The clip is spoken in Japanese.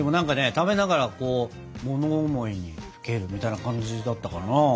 食べながらこう物思いにふけるみたいな感じだったかな。